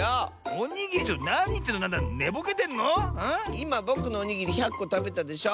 いまぼくのおにぎり１００こたべたでしょ！